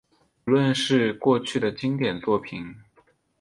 无论是过去的经典作品